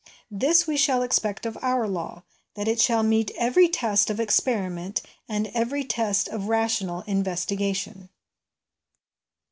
This we shall expect of our law that it shall meet every test of experiment and every test of rational investigation.